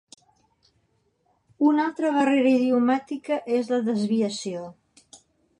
Una altra barrera idiomàtica és la desviació.